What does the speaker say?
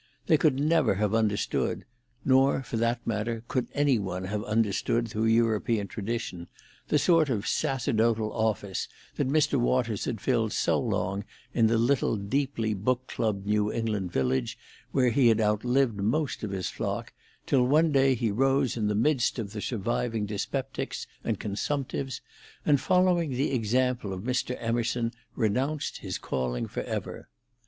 They could never have understood—nor, for that matter, could any one have understood through European tradition—the sort of sacerdotal office that Mr. Waters had filled so long in the little deeply book clubbed New England village where he had outlived most of his flock, till one day he rose in the midst of the surviving dyspeptics and consumptives and, following the example of Mr. Emerson, renounced his calling for ever.